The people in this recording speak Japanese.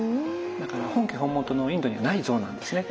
だから本家本元のインドにはない像なんですね。